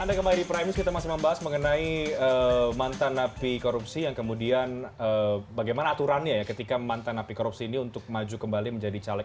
anda kembali di prime news kita masih membahas mengenai mantan napi korupsi yang kemudian bagaimana aturannya ya ketika mantan napi korupsi ini untuk maju kembali menjadi caleg